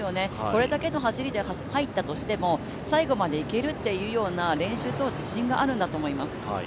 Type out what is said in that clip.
これだけの走りで入ったとしても最後までいけるというような練習と自信があるんだと思います。